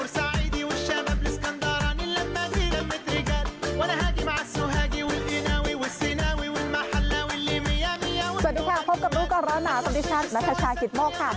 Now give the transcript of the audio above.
สวัสดีค่ะพบกับลูกก่อนแล้วหนาสวัสดีชาตินัทชาขีดโมกค่ะ